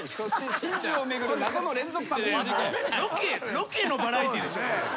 ロケのバラエティーでしょ。